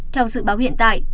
theo dự báo hiện tại